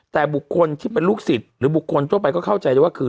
แต่บุคคลที่เป็นลูกศิษย์หรือบุคคลทั่วไปก็เข้าใจได้ว่าคือ